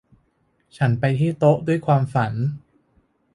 ฉันไปที่โต๊ะด้วยความฝัน